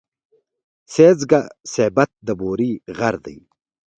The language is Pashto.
سېځگه سېبت د بوري غر دی.